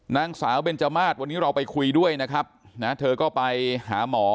นางสาวเบนจมาสวันนี้เราไปคุยด้วยนะครับนะเธอก็ไปหาหมอ